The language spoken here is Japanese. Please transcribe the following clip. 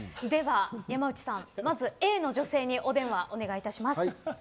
山内さん、まずＡの女性にお電話をお願いいたします。